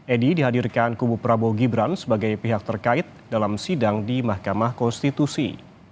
edi dihadirkan kubu prabowo gibran sebagai pihak terkait dalam sidang di mahkamah konstitusi